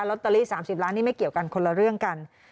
ลอตเตอรี่๓๐ล้านนี่ไม่เกี่ยวกันคนละเรื่องกัน